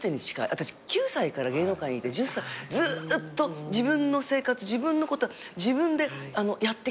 私９歳から芸能界にいてずっと自分の生活自分のこと自分でやってきたから。